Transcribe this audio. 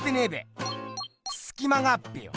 すき間があっぺよ！